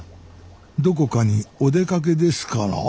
どこかにお出かけですかな？